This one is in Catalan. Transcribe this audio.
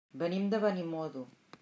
Venim de Benimodo.